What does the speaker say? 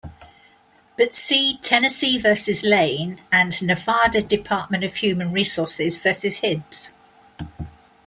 But see "Tennessee versus Lane" and "Nevada Department of Human Resources versus Hibbs".